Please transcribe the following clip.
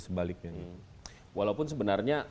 sebaliknya walaupun sebenarnya